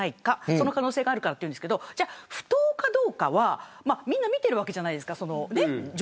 その可能性があると言ってるんですけど不当かどうかは、みんな見ているわけじゃないですか。